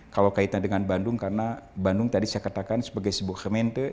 kalau kaitan dengan bandung karena bandung tadi saya katakan sebagai sebuah kementer